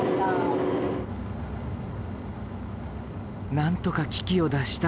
なんとか危機を脱した。